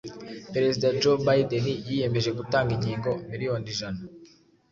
Perezida Joe Bideni yiyemeje gutanga inkingo miliyoni ijana